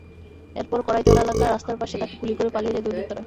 এরপর কড়ইতলা এলাকায় রাস্তার পাশে তাকে গুলি করে পালিয়ে যায় দুর্বৃত্তরা।